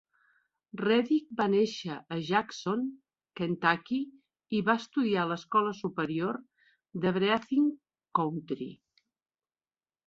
Reddick va néixer a Jackson, Kentucky, i va estudiar a l'escola superior de Breathitt County.